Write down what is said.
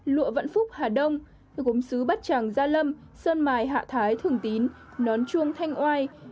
lụa vạn phúc hà đông gốm xứ bát tràng gia lâm sơn mài hạ thái thường tín nón chuông thanh oai